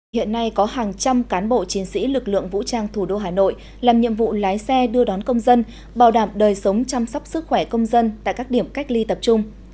hiện nay có hàng trăm cán bộ chiến sĩ lực lượng vũ trang thủ đô hà nội làm nhiệm vụ lái xe đưa đón công dân bảo đảm đời sống chăm sóc sức khỏe công dân tại các điểm cách ly tập trung